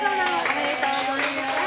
おめでとうございます。